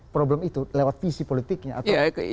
problem itu lewat visi politiknya atau